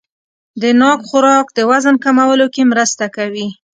د ناک خوراک د وزن کمولو کې مرسته کوي.